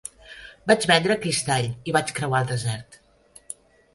Vaig vendre cristall i vaig creuar el desert.